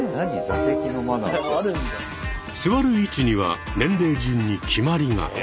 座る位置には年齢順に決まりが。